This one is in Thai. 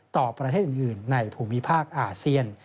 ต่อประเทศอื่นในภูมิภาคอาเซียน